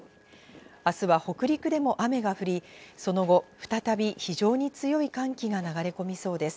明日は北陸でも雨が降り、その後、再び非常に強い寒気が流れ込みそうです。